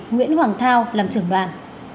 nguyễn hoàng thao làm trưởng đoàn